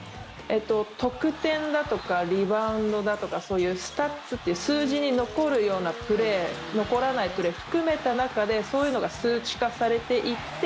得点だとかリバウンドだとかそういうスタッツという数字に残るようなプレー残らないプレー含めた中でそういうのが数値化されていって。